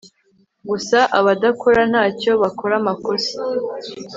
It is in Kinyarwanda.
Gusa abadakora ntacyo bakora amakosa